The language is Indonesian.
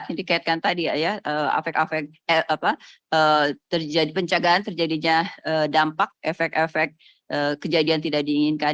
yang dikaitkan tadi penjagaan terjadinya dampak efek efek kejadian tidak diinginkan